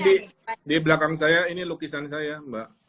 di belakang saya ini lukisan saya mbak